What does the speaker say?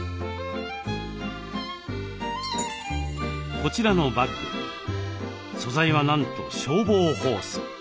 こちらのバッグ素材はなんと消防ホース。